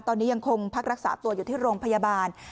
ตอนนี้ยังคงพักรักษาตัวอยู่ที่โรงพยาบาล